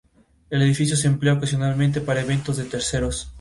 El edificio se emplea ocasionalmente para eventos de terceros.